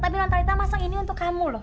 tapi nontalita masak ini untuk kamu loh